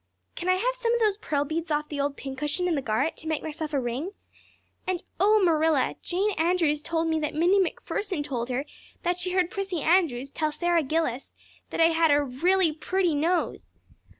Can I have some of those pearl beads off the old pincushion in the garret to make myself a ring? And oh, Marilla, Jane Andrews told me that Minnie MacPherson told her that she heard Prissy Andrews tell Sara Gillis that I had a very pretty nose.